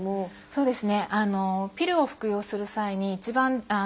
そうです。